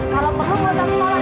kalau perlu belokan sekolah